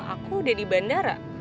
aku udah di bandara